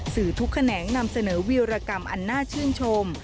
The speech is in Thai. ทุกแขนงนำเสนอวิรกรรมอันน่าชื่นชม